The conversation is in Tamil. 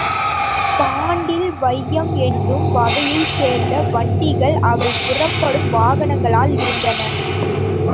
பாண்டில் வையம் என்னும் வகையைச் சேர்ந்த வண்டிகள் அவள் புறப்படும் வாகனங்களாக இருந்தன.